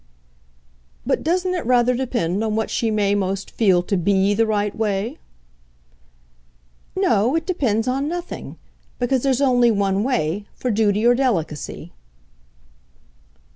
"But doesn't it rather depend on what she may most feel to BE the right way?" "No it depends on nothing. Because there's only one way for duty or delicacy."